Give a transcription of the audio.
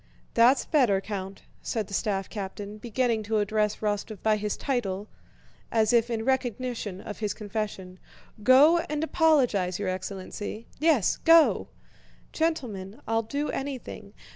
"That's better, Count," said the staff captain, beginning to address Rostóv by his title, as if in recognition of his confession. "Go and apologize, your excellency. Yes, go!" "Gentlemen, I'll do anything.